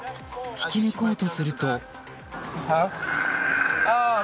引き抜こうとすると。